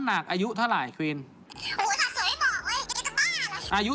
ใช่ค่ะเพราะว่าเป็นคนรักทัวร์ค่ะ